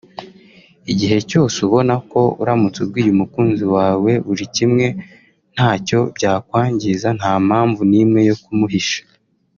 Igihe cyose ubona ko uramutse ubwiye umukunzi wawe buri kimwe ntacyo byakwangiza nta mpamvu n’imwe yo kumuhisha